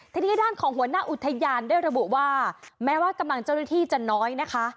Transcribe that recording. ทีนี้ด้านของหัวหน้าอุทยานได้ระบุว่าแม้ว่ากำลังเจ้าหน้าที่จะน้อยนะคะ